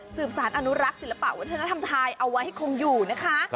สารอนุรักษ์ศิลปะวัฒนธรรมไทยเอาไว้ให้คงอยู่นะคะ